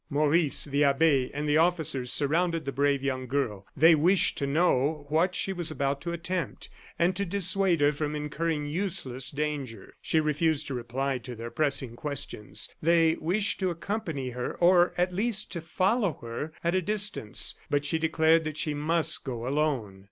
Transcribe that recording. Maurice, the abbe, and the officers surrounded the brave young girl. They wished to know what she was about to attempt, and to dissuade her from incurring useless danger. She refused to reply to their pressing questions. They wished to accompany her, or, at least, to follow her at a distance, but she declared that she must go alone.